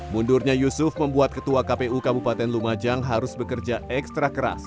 mundurnya yusuf membuat ketua kpu kabupaten lumajang harus bekerja ekstra keras